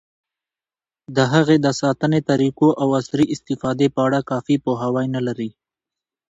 د هغې د ساتنې طریقو، او عصري استفادې په اړه کافي پوهاوی نه لري.